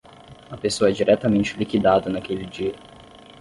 A pessoa é diretamente liquidada naquele dia.